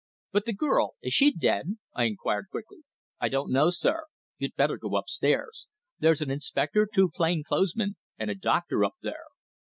"But the girl is she dead?" I inquired quickly. "I don't know, sir. You'd better go upstairs. There's an inspector, two plain clothes men, and a doctor up there."